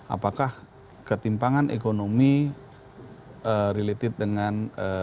apakah ketimpangan ekonomi related dengan